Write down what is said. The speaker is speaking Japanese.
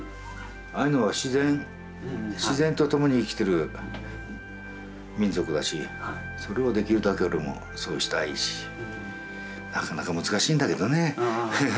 アイヌは自然自然と共に生きてる民族だしそれをできるだけ俺もそうしたいしなかなか難しいんだけどね。